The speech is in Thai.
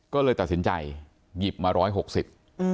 ก็เลยตัดสินใจหยิบมาร้อยหกสิบอืม